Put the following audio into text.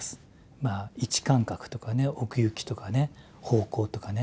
位置感覚とかね奥行きとかね方向とかね。